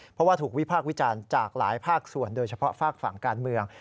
เพราะว่าถูกวิพากษ์วิจารณ์จากหลายภาคส่วนโดยเฉพาะฝากฝั่งการเมือง